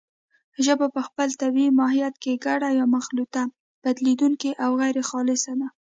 ژبه په خپل طبیعي ماهیت کې ګډه یا مخلوطه، بدلېدونکې او غیرخالصه ده